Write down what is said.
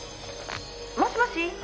「もしもし？」